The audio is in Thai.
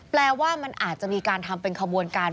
แปลว่ามันอาจจะมีการทำเป็นขบวนการ